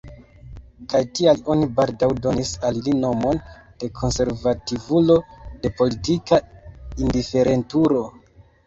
Kaj tial oni baldaŭ donis al li nomon de konservativulo, de politika indiferentulo.